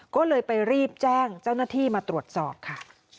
ก็เลยไปรีบแจ้งเจ้าหน้าที่มาตรวจสอบค่ะ